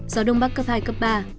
gió đông bắc cấp hai cấp ba